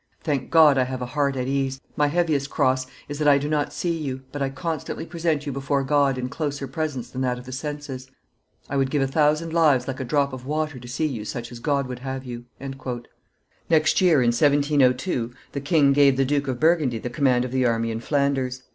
Thank God, I have a heart at ease; my heaviest cross is that I do not see you, but I constantly present you before God in closer presence than that of the senses. I would give a thousand lives like a drop of water to see you such as God would have you." Next year, in 1702, the king gave the Duke of Burgundy the command of the army in Flanders.